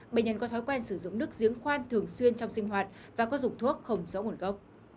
bệnh nhân có thói quen sử dụng nước giếng khoan thường xuyên trong sinh hoạt và có dùng thuốc không rõ nguồn gốc